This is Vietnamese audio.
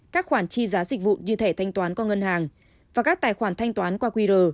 các khoản chi giá dịch vụ như thẻ thanh toán qua ngân hàng và các tài khoản thanh toán qua qr